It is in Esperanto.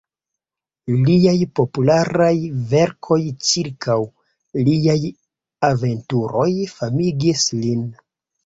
Liaj popularaj verkoj ĉirkaŭ liaj aventuroj famigis lin.